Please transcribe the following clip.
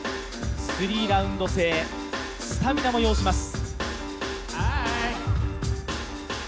３ラウンド制スタミナも要します。